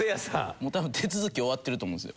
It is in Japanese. もう多分手続き終わってると思うんですよ。